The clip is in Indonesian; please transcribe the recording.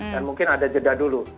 dan mungkin ada jeda dulu